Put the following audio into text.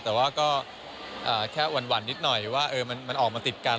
แต่ว่าก็แค่หวั่นนิดหน่อยว่ามันออกมาติดกัน